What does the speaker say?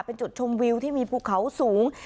เป็นจุดชมวิวที่มีภูเขาสูง